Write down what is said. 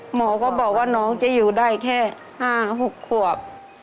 หมอก็บอกว่าน้องจะอยู่ได้แค่๕๖ขวบ